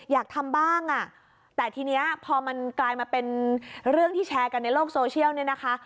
อยากทำบ้างอ่ะแต่ทีนี้พอมันกลายมาเป็นเรื่องที่แชร์กันในโลกโซเชียลเนี่ยนะคะ